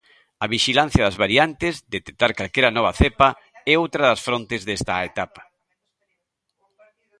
A vixilancia das variantes, detectar calquera nova cepa, é outra das frontes desta etapa.